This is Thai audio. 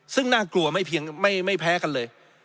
ซึ่งน่ากลัวไม่แพ้กันเลย